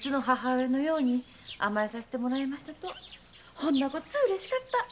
ほんなこつ嬉しかった。